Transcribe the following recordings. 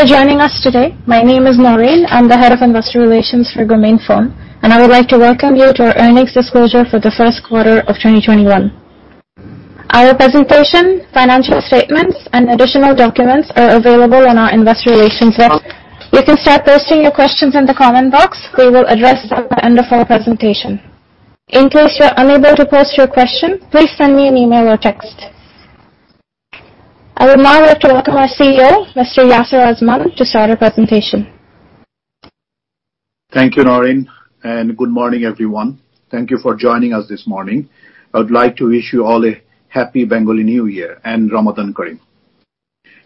For joining us today. My name is Maureen. I'm the Head of Investor Relations for Grameenphone, and I would like to welcome you to our earnings disclosure for the Q1 of 2021. Our presentation, financial statements, and additional documents are available on our investor relations website. You can start posting your questions in the comment box. We will address them by end of our presentation. In case you are unable to post your question, please send me an email or text. I would now like to welcome our CEO, Mr. Yasir Azman, to start our presentation. Thank you, Maureen, and good morning, everyone. Thank you for joining us this morning. I would like to wish you all a happy Bengali New Year and Ramadan Kareem.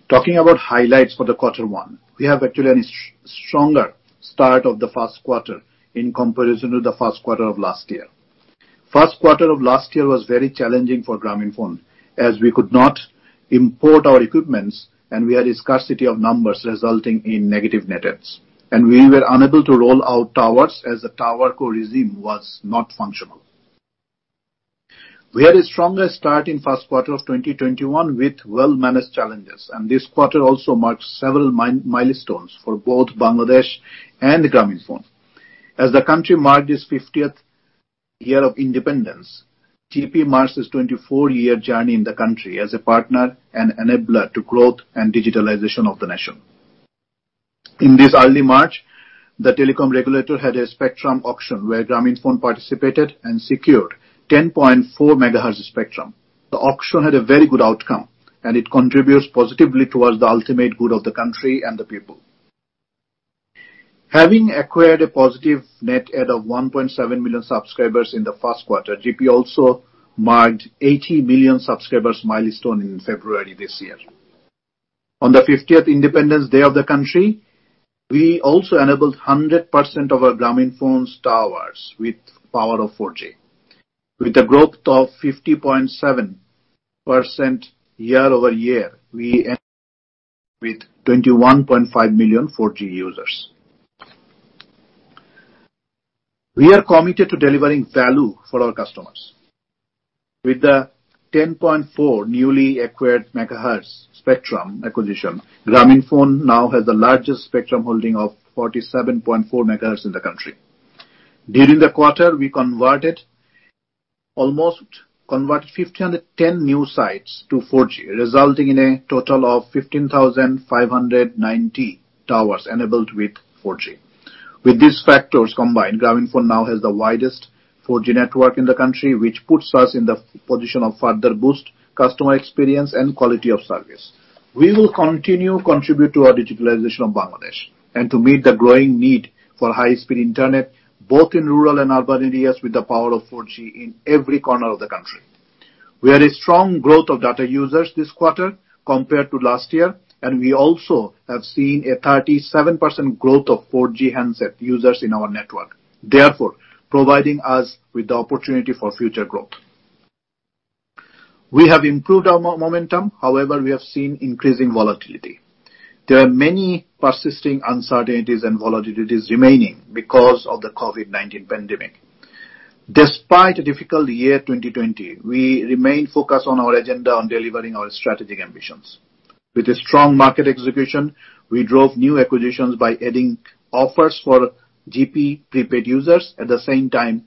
Talking about highlights for Q1, we have actually a stronger start of the Q1 in comparison to the Q1 of last year. Q1 of last year was very challenging for Grameenphone, as we could not import our equipment, and we had a scarcity of numbers resulting in negative net adds. We were unable to roll out towers as the towerco regime was not functional. We had a stronger start in Q1 of 2021 with well-managed challenges, and this quarter also marked several milestones for both Bangladesh and Grameenphone. As the country marked its 50th year of independence, GP marks its 24-year journey in the country as a partner and enabler to growth and digitalization of the nation. In this early March, the telecom regulator had a spectrum auction where Grameenphone participated and secured 10.4 MHz spectrum. It contributes positively towards the ultimate good of the country and the people. Having acquired a positive net add of 1.7 million subscribers in the Q1, GP also marked 80 million subscribers milestone in February this year. On the 50th Independence Day of the country, we also enabled 100% of our Grameenphone towers with power of 4G. With a growth of 50.7% year-over-year, we end with 21.5 million 4G users. We are committed to delivering value for our customers. With the 10.4 newly acquired megahertz spectrum acquisition, Grameenphone now has the largest spectrum holding of 47.4 MHz in the country. During the quarter, we almost converted 1,510 new sites to 4G, resulting in a total of 15,590 towers enabled with 4G. With these factors combined, Grameenphone now has the widest 4G network in the country, which puts us in the position of further boost customer experience and quality of service. We will continue contribute to our digitalization of Bangladesh and to meet the growing need for high-speed internet, both in rural and urban areas, with the power of 4G in every corner of the country. We had a strong growth of data users this quarter compared to last year, and we also have seen a 37% growth of 4G handset users in our network, therefore providing us with the opportunity for future growth. We have improved our momentum. However, we have seen increasing volatility. There are many persisting uncertainties and volatilities remaining because of the COVID-19 pandemic. Despite a difficult year 2020, we remain focused on our agenda on delivering our strategic ambitions. With a strong market execution, we drove new acquisitions by adding offers for Grameenphone prepaid users, at the same time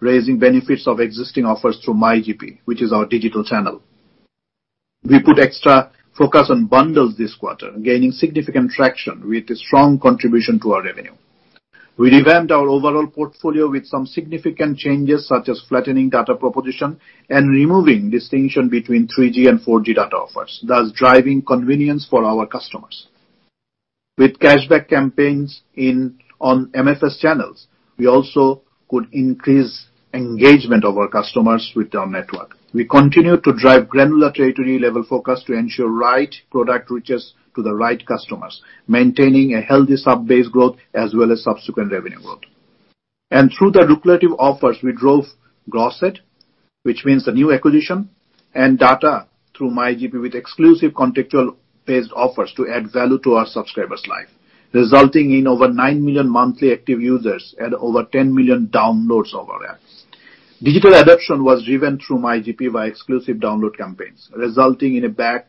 raising benefits of existing offers through MyGP, which is our digital channel. We put extra focus on bundles this quarter, gaining significant traction with a strong contribution to our revenue. We revamped our overall portfolio with some significant changes, such as flattening data proposition and removing distinction between 3G and 4G data offers, thus driving convenience for our customers. With cashback campaigns on MFS channels, we also could increase engagement of our customers with our network. We continue to drive granular territory level focus to ensure right product reaches to the right customers, maintaining a healthy sub-base growth as well as subsequent revenue growth. Through the lucrative offers, we drove gross add, which means the new acquisition and data through MyGP with exclusive contextual-based offers to add value to our subscribers' life, resulting in over 9 million monthly active users and over 10 million downloads of our apps. Digital adoption was driven through MyGP by exclusive download campaigns, resulting in a back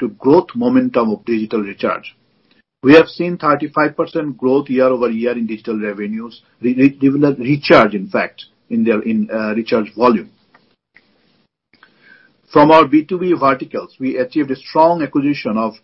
to growth momentum of digital recharge. We have seen 35% growth year-over-year in digital revenues—recharge, in fact, in recharge volume. From our B2B verticals, we achieved a strong acquisition of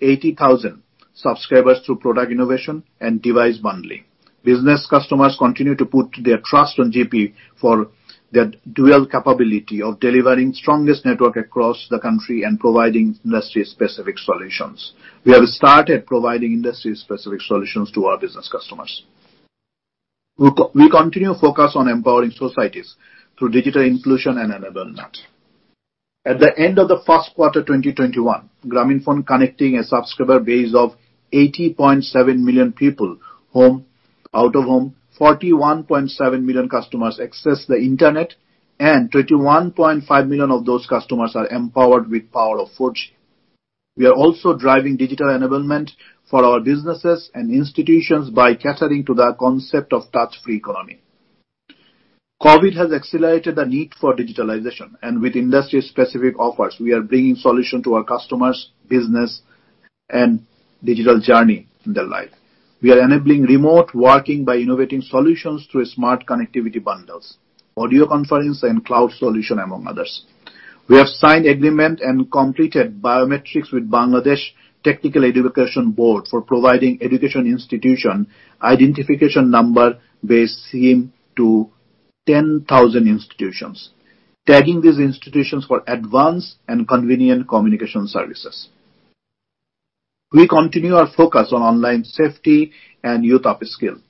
80,000 subscribers through product innovation and device bundling. Business customers continue to put their trust on GP for their dual capability of delivering strongest network across the country and providing industry-specific solutions. We have started providing industry-specific solutions to our business customers. We continue focus on empowering societies through digital inclusion and enablement. At the end of the Q1 2021, Grameenphone connecting a subscriber base of 80.7 million people home, out-of-home, 41.7 million customers access the internet, and 21.5 million of those customers are empowered with power of 4G. We are also driving digital enablement for our businesses and institutions by catering to the concept of touch-free economy. COVID has accelerated the need for digitalization, and with industry-specific offers, we are bringing solution to our customers' business and digital journey in their life. We are enabling remote working by innovating solutions through smart connectivity bundles, audio conference, and cloud solution, among others. We have signed agreement and completed biometrics with Bangladesh Technical Education Board for providing education institution identification number base SIM to 10,000 institutions, tagging these institutions for advanced and convenient communication services. We continue our focus on online safety and youth upskill.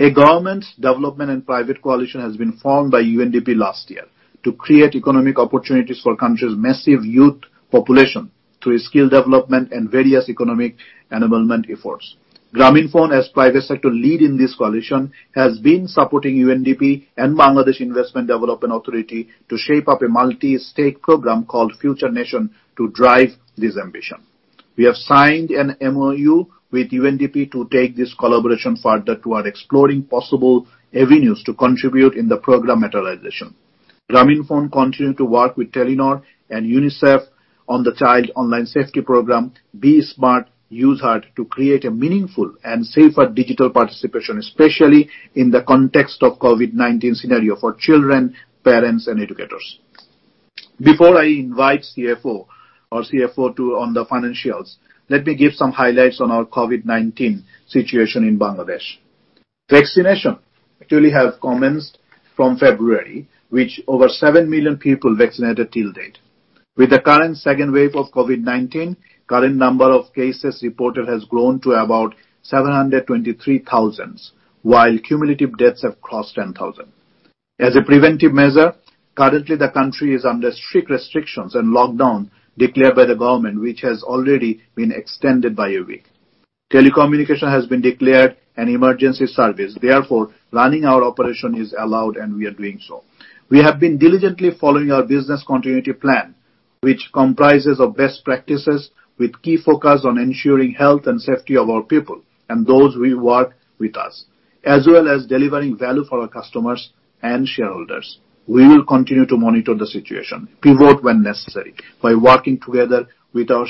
A government development and private coalition has been formed by UNDP last year to create economic opportunities for country's massive youth population through skill development and various economic enablement efforts. Grameenphone, as private sector lead in this coalition, has been supporting UNDP and Bangladesh Investment Development Authority to shape up a multi-stake program called Future Nation to drive this ambition. We have signed an MOU with UNDP to take this collaboration further to our exploring possible avenues to contribute in the program materialization. Grameenphone continue to work with Telenor and UNICEF on the child online safety program, Be Smart, Use Heart, to create a meaningful and safer digital participation, especially in the context of COVID-19 scenario for children, parents, and educators. Before I invite CFO to on the financials, let me give some highlights on our COVID-19 situation in Bangladesh. Vaccination actually have commenced from February, which over 7 million people vaccinated till date. With the current second wave of COVID-19, current number of cases reported has grown to about 723,000, while cumulative deaths have crossed 10,000. As a preventive measure, currently the country is under strict restrictions and lockdown declared by the government, which has already been extended by a week. Telecommunication has been declared an emergency service, therefore running our operation is allowed and we are doing so. We have been diligently following our business continuity plan, which comprises of best practices with key focus on ensuring health and safety of our people and those who work with us, as well as delivering value for our customers and shareholders. We will continue to monitor the situation, pivot when necessary by working together with our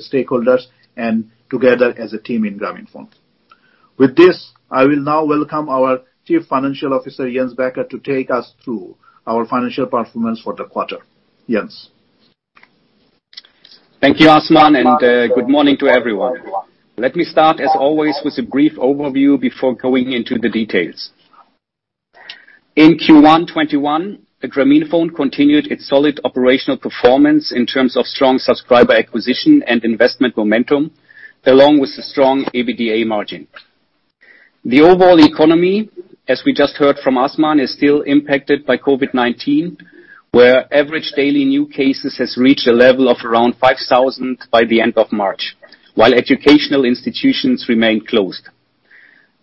stakeholders and together as a team in Grameenphone. With this, I will now welcome our Chief Financial Officer, Jens Becker, to take us through our financial performance for the quarter. Jens. Thank you, Azman, and good morning to everyone. Let me start, as always, with a brief overview before going into the details. In Q1 2021, Grameenphone continued its solid operational performance in terms of strong subscriber acquisition and investment momentum, along with the strong EBITDA margin. The overall economy, as we just heard from Azman, is still impacted by COVID-19, where average daily new cases has reached a level of around 5,000 by the end of March, while educational institutions remain closed.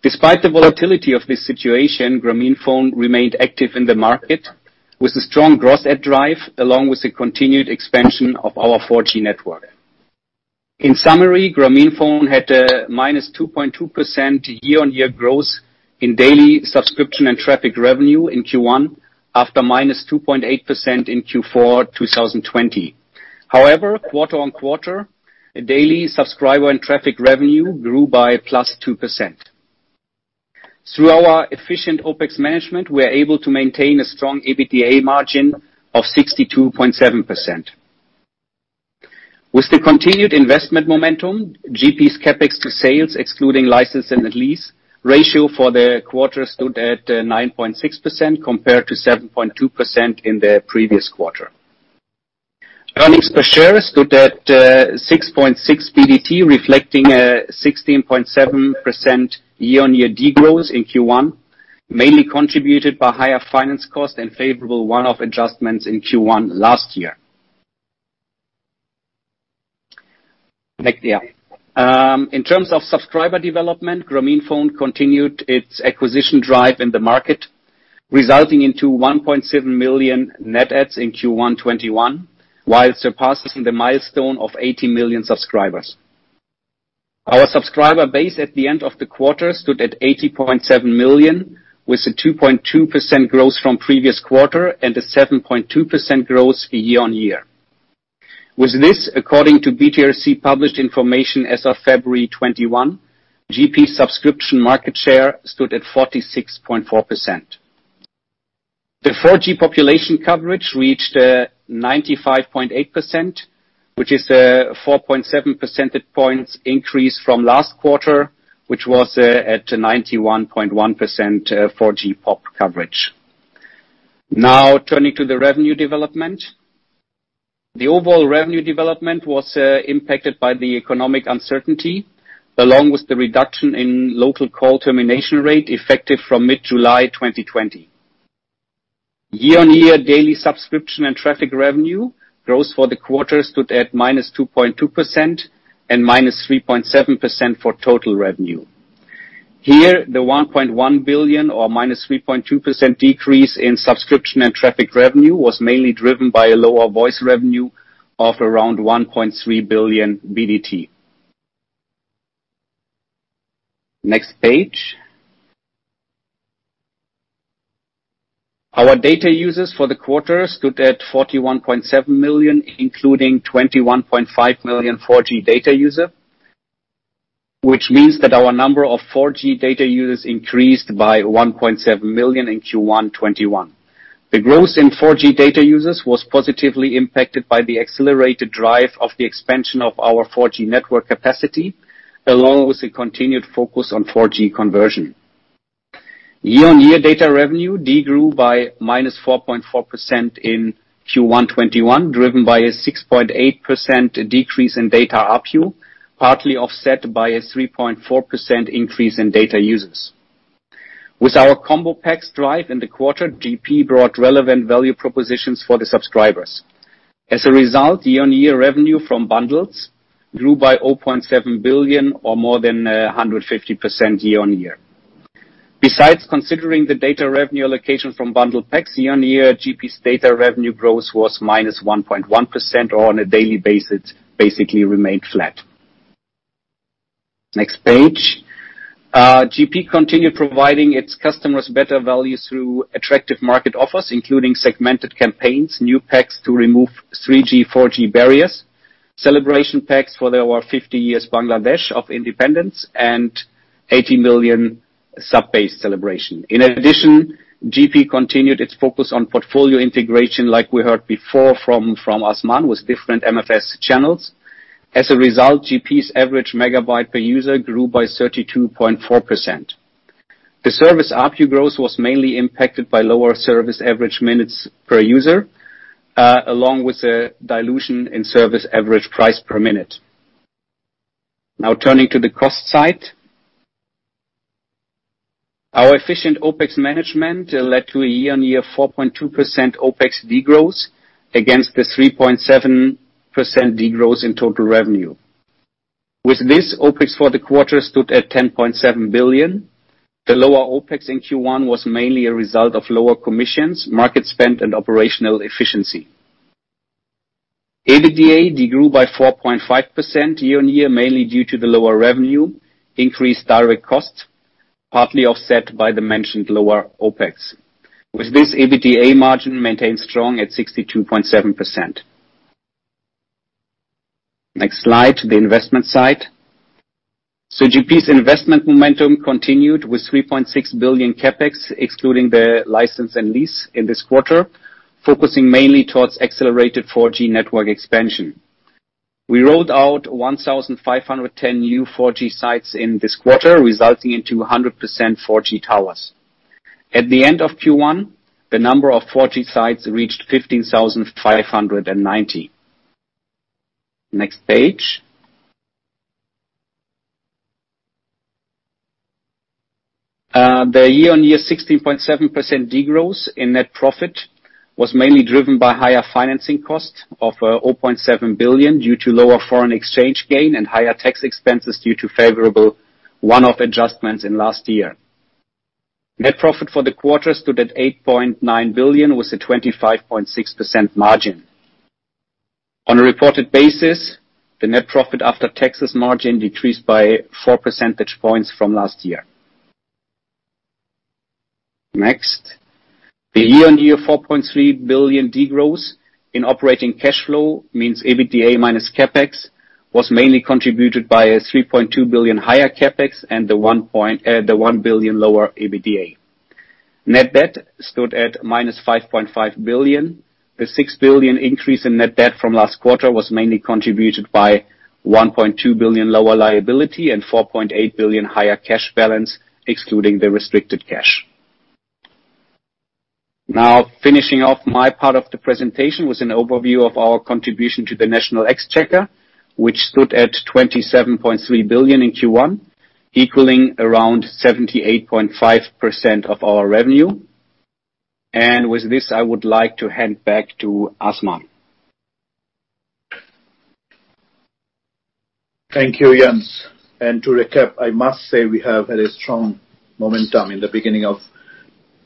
Despite the volatility of this situation, Grameenphone remained active in the market with a strong gross add drive, along with the continued expansion of our 4G network. In summary, Grameenphone had a -2.2% year-on-year growth in daily subscription and traffic revenue in Q1, after -2.8% in Q4 2020. However, quarter-on-quarter, daily subscriber and traffic revenue grew by +2%. Through our efficient OpEx management, we are able to maintain a strong EBITDA margin of 62.7%. With the continued investment momentum, GP's CapEx to sales, excluding license and the lease ratio for the quarter stood at 9.6% compared to 7.2% in the previous quarter. Earnings per share stood at BDT 6.6, reflecting a 16.7% year-on-year degrowth in Q1, mainly contributed by higher finance cost and favorable one-off adjustments in Q1 last year. Next slide. In terms of subscriber development, Grameenphone continued its acquisition drive in the market, resulting into 1.7 million net adds in Q1 2021, while surpassing the milestone of 80 million subscribers. Our subscriber base at the end of the quarter stood at 80.7 million, with a 2.2% growth from previous quarter and a 7.2% growth year-on-year. With this, according to BTRC published information as of February 2021, GP subscription market share stood at 46.4%. The 4G population coverage reached 95.8%, which is a 4.7 percentage points increase from last quarter, which was at 91.1% 4G pop coverage. Now turning to the revenue development. The overall revenue development was impacted by the economic uncertainty, along with the reduction in local call termination rate effective from mid-July 2020. Year-on-year daily subscription and traffic revenue growth for the quarter stood at -2.2% and -3.7% for total revenue. Here, the BDT 1.1 billion or -3.2% decrease in subscription and traffic revenue was mainly driven by a lower voice revenue of around BDT 1.3 billion. Next page. Our data users for the quarter stood at 41.7 million, including 21.5 million 4G data user, which means that our number of 4G data users increased by 1.7 million in Q1 2021. The growth in 4G data users was positively impacted by the accelerated drive of the expansion of our 4G network capacity, along with the continued focus on 4G conversion. Year-on-year data revenue de-grew by -4.4% in Q1 2021, driven by a 6.8% decrease in data ARPU, partly offset by a 3.4% increase in data users. With our combo packs drive in the quarter, GP brought relevant value propositions for the subscribers. As a result, year-on-year revenue from bundles grew by BDT 0.7 billion or more than 150% year-on-year. Besides considering the data revenue allocation from bundle packs year-on-year, GP's data revenue growth was -1.1%, or on a daily basis, basically remained flat. Next page. GP continued providing its customers better value through attractive market offers, including segmented campaigns, new packs to remove 3G, 4G barriers, celebration packs for our 50 years Bangladesh of independence and 80 million sub-based celebration. In addition, GP continued its focus on portfolio integration, like we heard before from Azman, with different MFS channels. As a result, GP's average megabyte per user grew by 32.4%. The service ARPU growth was mainly impacted by lower service average minutes per user, along with a dilution in service average price per minute. Now turning to the cost side. Our efficient OPEX management led to a year-on-year 4.2% OPEX de-growth against the 3.7% de-growth in total revenue. With this, OpEx for the quarter stood at BDT 10.7 billion. The lower OpEx in Q1 was mainly a result of lower commissions, market spend, and operational efficiency. EBITDA de-grew by 4.5% year-on-year, mainly due to the lower revenue, increased direct costs, partly offset by the mentioned lower OpEx. With this, EBITDA margin maintains strong at 62.7%. Next slide, the investment side. GP's investment momentum continued with BDT 3.6 billion CapEx, excluding the license and lease in this quarter, focusing mainly towards accelerated 4G network expansion. We rolled out 1,510 new 4G sites in this quarter, resulting in 200% 4G towers. At the end of Q1, the number of 4G sites reached 15,590. Next page. The year-on-year 16.7% de-growth in net profit was mainly driven by higher financing cost of BDT 0.7 billion due to lower foreign exchange gain and higher tax expenses due to favorable one-off adjustments in last year. Net profit for the quarter stood at BDT 8.9 billion, with a 25.6% margin. On a reported basis, the net profit after taxes margin decreased by 4 percentage points from last year. Next. The year-on-year BDT 4.3 billion de-growth in operating cash flow means EBITDA minus CapEx was mainly contributed by a BDT 3.2 billion higher CapEx and the BDT 1 billion lower EBITDA. Net debt stood at -BDT 5.5 billion. The BDT 6 billion increase in net debt from last quarter was mainly contributed by BDT 1.2 billion lower liability and BDT 4.8 billion higher cash balance excluding the restricted cash. Now finishing off my part of the presentation with an overview of our contribution to the national exchequer, which stood at BDT 27.3 billion in Q1, equaling around 78.5% of our revenue. With this, I would like to hand back to Azman. Thank you, Jens. To recap, I must say we have very strong momentum in the beginning of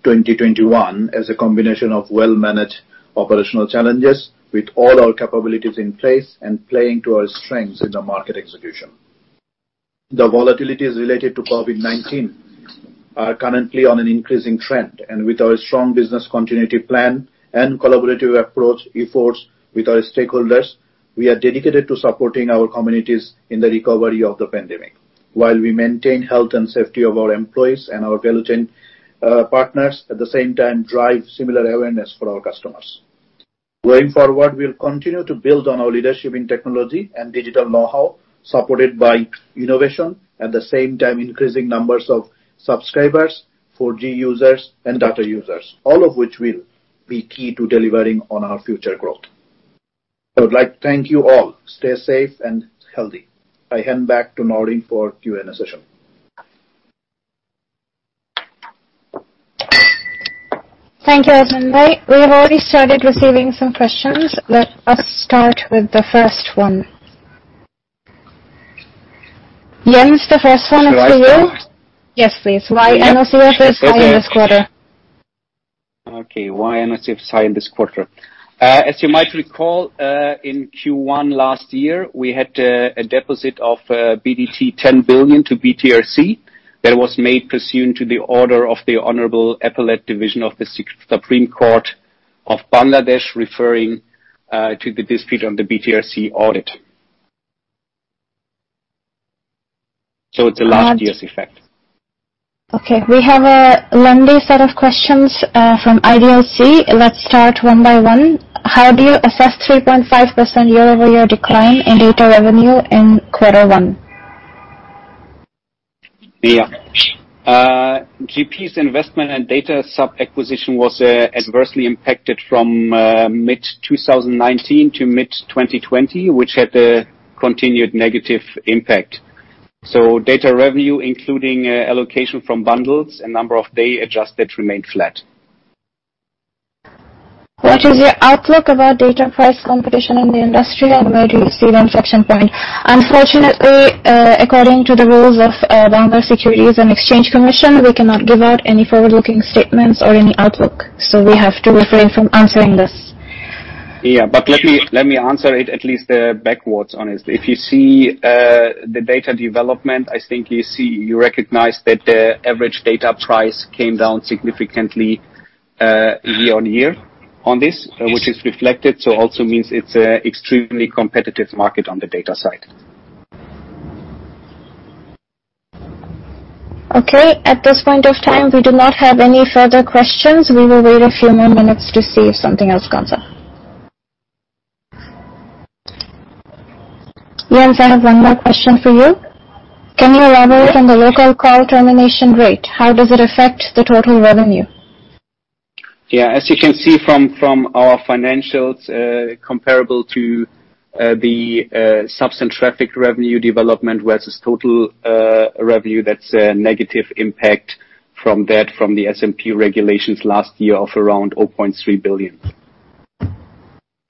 2021 as a combination of well-managed operational challenges with all our capabilities in place and playing to our strengths in the market execution. The volatility related to COVID-19 are currently on an increasing trend, and with our strong business continuity plan and collaborative approach efforts with our stakeholders, we are dedicated to supporting our communities in the recovery of the pandemic while we maintain health and safety of our employees and our value chain partners, at the same time, drive similar awareness for our customers. Going forward, we'll continue to build on our leadership in technology and digital know-how, supported by innovation, at the same time, increasing numbers of subscribers, 4G users and data users, all of which will be key to delivering on our future growth. I would like to thank you all. Stay safe and healthy. I hand back to Maureen for Q&A session. Thank you, Azman. We have already started receiving some questions. Let us start with the first one. Jens, the first one is for you. Do I start? Yes, please. Why MFS is high in this quarter? Okay, why MFS high in this quarter? As you might recall, in Q1 last year, we had a deposit of BDT 10 billion to BTRC that was made pursuant to the order of the Honorable Appellate Division of the Supreme Court of Bangladesh, referring to the dispute on the BTRC audit. It's last year's effect. Okay. We have a lengthy set of questions from IDLC. Let's start one by one. How do you assess 3.5% year-over-year decline in data revenue in Q1? Yeah. GP's investment and data sub-acquisition was adversely impacted from mid-2019 to mid-2020, which had a continued negative impact. Data revenue, including allocation from bundles and number of day adjusted remained flat. What is your outlook about data price competition in the industry, and where do you see the inflection point? Unfortunately, according to the rules of Bangladesh Securities and Exchange Commission, we cannot give out any forward-looking statements or any outlook. We have to refrain from answering this. Yeah. Let me answer it at least backwards, honestly. If you see the data development, I think you recognize that the average data price came down significantly year-on-year on this, which is reflected, so also means it's extremely competitive market on the data side. Okay. At this point of time, we do not have any further questions. We will wait a few more minutes to see if something else comes up. Jens, I have one more question for you. Can you elaborate on the local call termination rate? How does it affect the total revenue? Yeah. As you can see from our financials, comparable to the subscription and traffic revenue development versus total revenue, that's a negative impact from that, from the SMP regulations last year of around BDT 0.3 billion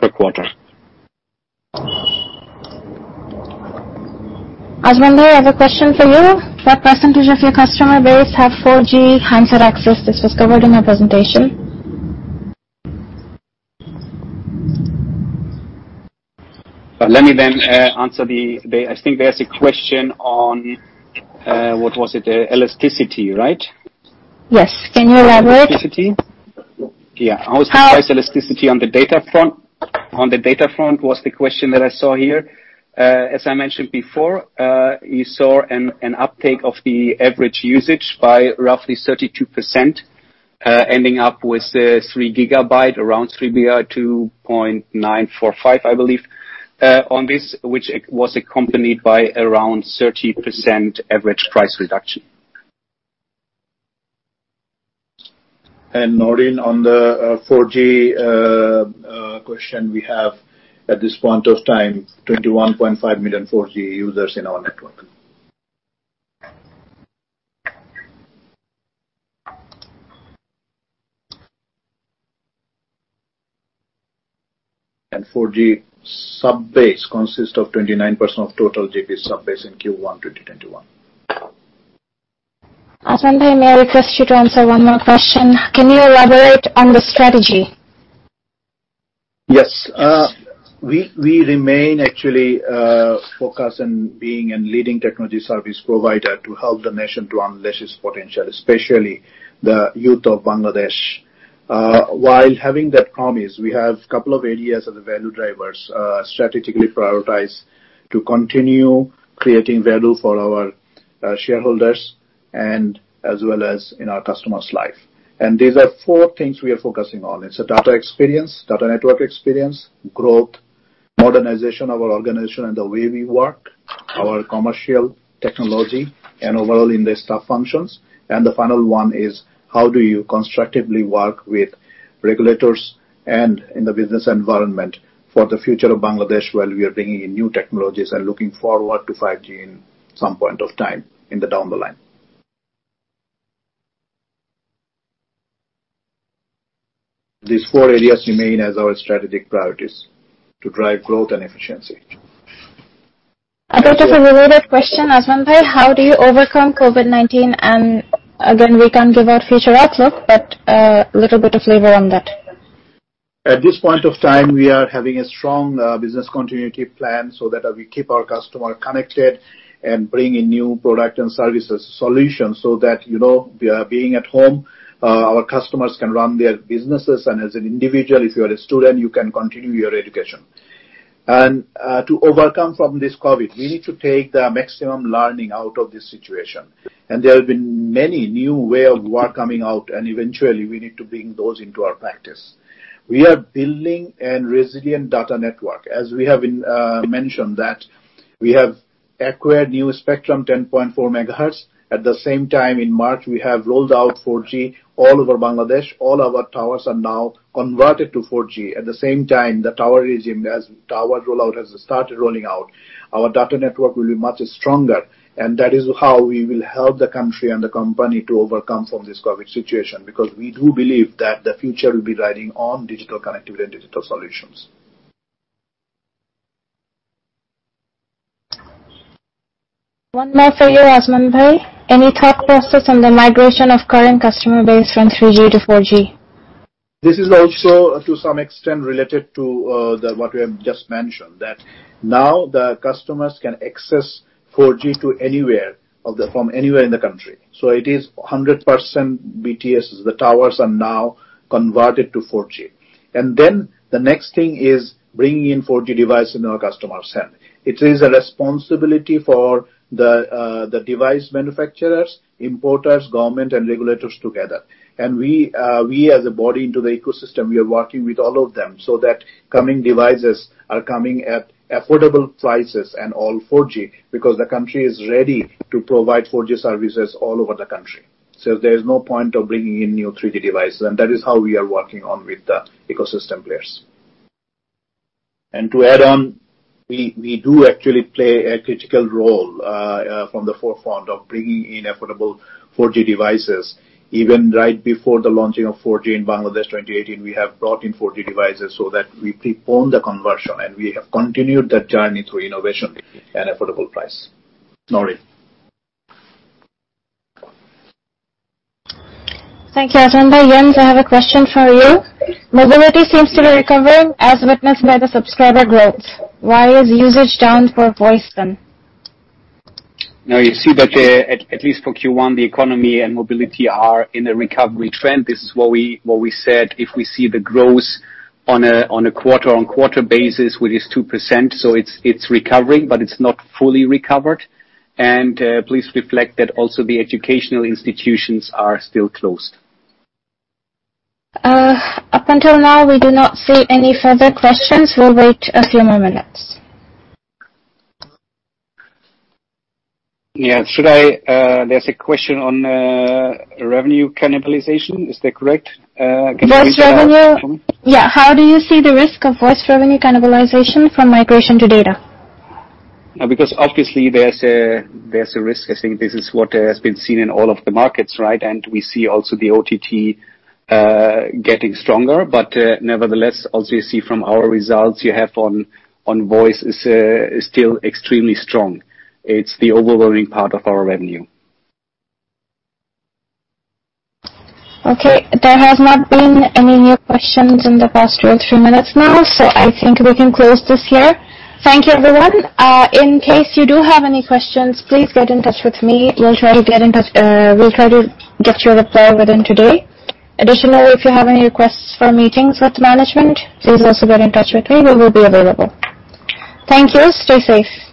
per quarter. Azman, I have a question for you. What percentage of your customer base have 4G handset access? This was covered in my presentation. Let me answer, I think there's a question on, what was it? Elasticity, right? Yes. Can you elaborate? Elasticity? Yeah. How- How is the price elasticity on the data front was the question that I saw here. As I mentioned before, you saw an uptake of the average usage by roughly 32%, ending up with 3 GB, around 2.945, I believe, on this, which was accompanied by around 30% average price reduction. Maureen, on the 4G question, we have, at this point of time, 21.5 million 4G users in our network. 4G sub base consists of 29% of total GP sub base in Q1 2021. Azman, may I request you to answer one more question? Can you elaborate on the strategy? Yes. We remain actually focused on being a leading technology service provider to help the nation to unleash its potential, especially the youth of Bangladesh. While having that promise, we have couple of areas of the value drivers strategically prioritized to continue creating value for our shareholders and as well as in our customers' life. These are four things we are focusing on. It's the data experience, data network experience, growth, modernization of our organization and the way we work, our commercial technology, and overall in the staff functions. The final one is how do you constructively work with regulators and in the business environment for the future of Bangladesh while we are bringing in new technologies and looking forward to 5G in some point of time in the down the line. These four areas remain as our strategic priorities to drive growth and efficiency. I got a few related question, Azman. How do you overcome COVID-19? Again, we can't give out future outlook, but a little bit of flavor on that. At this point of time, we are having a strong business continuity plan so that we keep our customer connected and bring in new product and services solutions so that being at home, our customers can run their businesses. As an individual, if you are a student, you can continue your education. To overcome from this COVID-19, we need to take the maximum learning out of this situation. There have been many new way of work coming out, and eventually we need to bring those into our practice. We are building a resilient data network. As we have mentioned that we have acquired new spectrum, 10.4 MHz. At the same time, in March, we have rolled out 4G all over Bangladesh. All our towers are now converted to 4G. At the same time, the tower rollout has started rolling out. Our data network will be much stronger, and that is how we will help the country and the company to overcome from this COVID situation, because we do believe that the future will be riding on digital connectivity and digital solutions. One more for you, Yasir Azman. Any thought process on the migration of current customer base from 3G to 4G? This is also, to some extent, related to what we have just mentioned, that now the customers can access 4G from anywhere in the country. It is 100% BTS. The towers are now converted to 4G. The next thing is bringing in 4G device into our customer's hand. It is a responsibility for the device manufacturers, importers, government, and regulators together. We, as a body into the ecosystem, we are working with all of them so that coming devices are coming at affordable prices and all 4G, because the country is ready to provide 4G services all over the country. There's no point of bringing in new 3G devices, and that is how we are working on with the ecosystem players. To add on, we do actually play a critical role from the forefront of bringing in affordable 4G devices. Right before the launching of 4G in Bangladesh 2018, we have brought in 4G devices so that we preponed the conversion, and we have continued that journey through innovation and affordable price. Maureen. Thank you, Yasir Azman. Jens, I have a question for you. Mobility seems to be recovering as witnessed by the subscriber growth. Why is usage down for voice then? Now you see that at least for Q1, the economy and mobility are in a recovery trend. This is what we said, if we see the growth on a quarter-on-quarter basis with this 2%. It's recovering, but it's not fully recovered. Please reflect that also the educational institutions are still closed. Up until now, we do not see any further questions. We'll wait a few more minutes. Yeah. There's a question on revenue cannibalization. Is that correct? Can you read it out for me? Yeah. How do you see the risk of voice revenue cannibalization from migration to data? Obviously there's a risk. I think this is what has been seen in all of the markets, right? We see also the OTT getting stronger. Nevertheless, as you see from our results you have on voice is still extremely strong. It's the overwhelming part of our revenue. Okay. There has not been any new questions in the past two or three minutes now, so I think we can close this here. Thank you, everyone. In case you do have any questions, please get in touch with me. We'll try to get you a reply within today. Additionally, if you have any requests for meetings with management, please also get in touch with me. We will be available. Thank you. Stay safe.